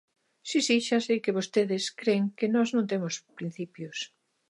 Si, si, xa sei que vostedes cren que nós non temos principios.